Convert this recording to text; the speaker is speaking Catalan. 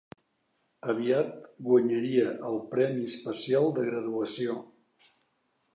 Aviat guanyaria el Premi Especial de Graduació.